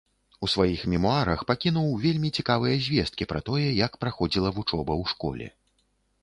У сваіх мемуарах пакінуў вельмі цікавыя звесткі пра тое, як праходзіла вучоба ў школе.